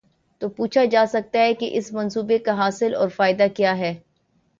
تو پوچھا جا سکتا ہے کہ اس منصوبے کاحاصل اور فائدہ کیا ہے؟